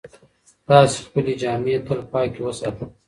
تاسې خپلې جامې تل پاکې وساتئ.